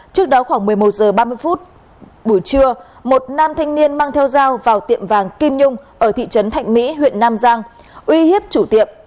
trước đó khoảng một mươi một h ba mươi phút buổi trưa một nam thanh niên mang theo dao vào tiệm vàng kim nhung ở thị trấn thạnh mỹ huyện nam giang uy hiếp chủ tiệm